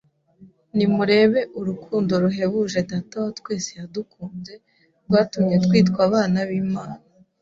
“Nimurebe urukundo ruhebuje Data wa twese yadukunze, rwatumye twitwa abana b’Imana